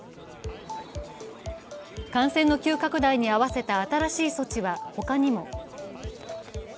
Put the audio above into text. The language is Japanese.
感染の急拡大に合わせた新しい措置は他にも。